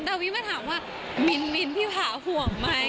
แล้ววิทย์มาถามว่ามินพี่พาห่วงไหม